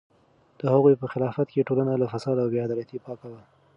د هغوی په خلافت کې ټولنه له فساد او بې عدالتۍ پاکه وه.